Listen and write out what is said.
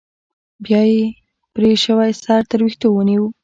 بيا يې پرې شوى سر تر ويښتو ونيو.